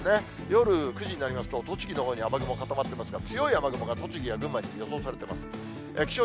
夜９時になりますと、栃木のほうに雨雲固まってますが、強い雨雲が栃木や群馬に予想されてます。